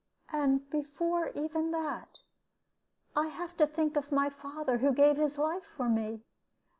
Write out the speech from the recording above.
And before even that, I have to think of my father, who gave his life for me.